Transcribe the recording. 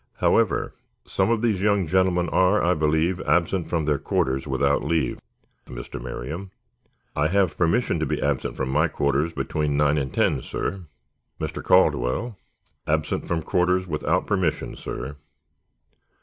However, some of these young gentlemen are, I believe, absent from their quarters without leave. Mr. Merriam?" "I have permission to be absent from my quarters between nine and ten, sir." "Mr. Caldwell?" "Absent from quarters without permission, sir."